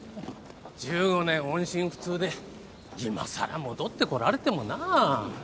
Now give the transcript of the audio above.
１５年音信不通でいまさら戻ってこられてもなぁ？